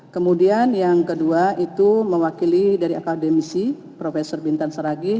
kemudian yang kedua itu mewakili dari akademisi prof bintan saragi